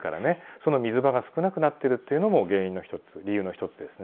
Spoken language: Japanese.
その水場が少なくなってるっていうのも原因の一つ理由の一つですね。